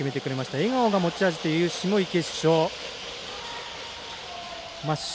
笑顔が持ち味という下池主将。